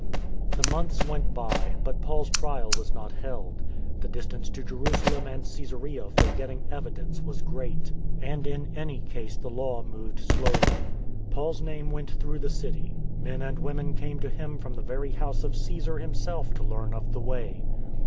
The months went by, but Paul's trial was not held. The distance to Jerusalem and Csesarea for getting evidence was great, and in any case the law moved slowly. Paul's name went through the city. Men and women came to him from the very house of Caesar himself to learn of the Way.